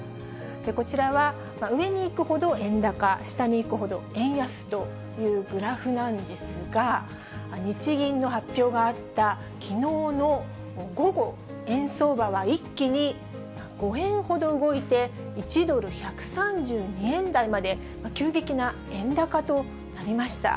こちらは、上にいくほど、円高、下にいくほど円安というグラフなんですが、日銀の発表があった、きのうの午後、円相場は一気に５円ほど動いて、１ドル１３２円台まで、急激な円高となりました。